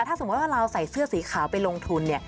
ถ้าสมมุติว่าเราใส่เสื้อสีขาวไปลงทุน